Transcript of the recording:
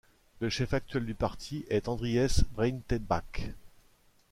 Le chef actuel du parti est Andries Breytenbach.